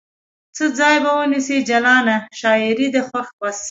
څه ځای به ونیسي جلانه ؟ شاعرې ده خو بس